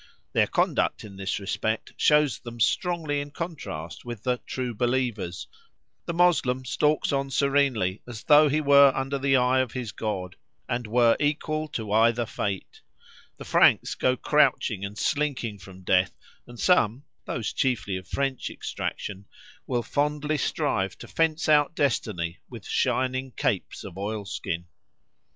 Their conduct in this respect shows them strongly in contrast with the "true believers": the Moslem stalks on serenely, as though he were under the eye of his God, and were "equal to either fate"; the Franks go crouching and slinking from death, and some (those chiefly of French extraction) will fondly strive to fence out destiny with shining capes of oilskin!